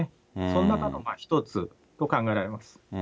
その中の一つと考えられます。